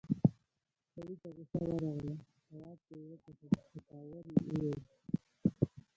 سړي ته غوسه ورغله، تواب ته يې وکتل، په کاوړ يې وويل: